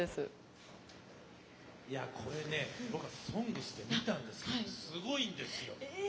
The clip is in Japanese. これね、「ＳＯＮＧＳ」で見たんですけどすごいんですよ。